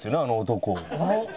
あの男を。